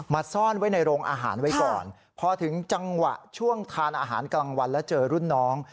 ซ่อนไว้ในโรงอาหารไว้ก่อนพอถึงจังหวะช่วงทานอาหารกลางวันแล้วเจอรุ่นน้อง